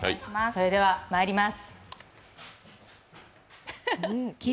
それでは、まいります。